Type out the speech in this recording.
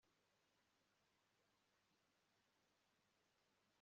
imodoka zari nyinshi cyane. imodoka zashyizwe kumurongo kuri bumper